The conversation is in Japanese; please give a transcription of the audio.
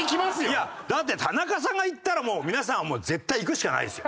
いやだって田中さんがいったら皆さんはもう絶対いくしかないですよ。